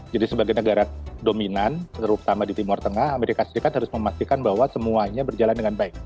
jadi sebagai negara dominan terutama di timur tengah amerika serikat harus memastikan bahwa semuanya berjalan dengan baik